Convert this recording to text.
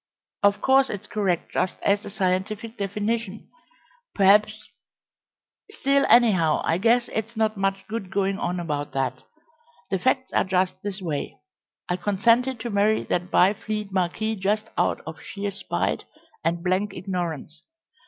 Of course it's correct just as a scientific definition, perhaps still, anyhow, I guess it's not much good going on about that. The facts are just this way. I consented to marry that Byfleet marquis just out of sheer spite and blank ignorance.